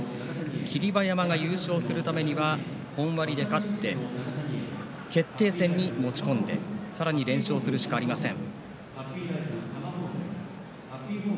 霧馬山が優勝するためには本割で勝って決定戦に持ち込んでさらに連勝するしかありません。